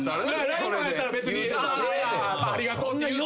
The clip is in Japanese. ＬＩＮＥとかやったら別に「ありがとう」って。